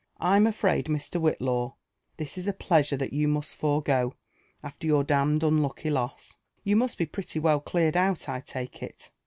I'm afraid, Mr. Whitlaw, this is a pleasure that you must forego, after your d — d unlucky loss. You must be pretty well cleared out, I take it